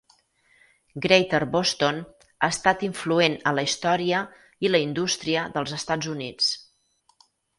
Greater Boston ha estat influent a la història i la indústria dels Estats Units.